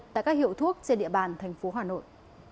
tại các hiệu thuốc trên địa bàn tp hà nội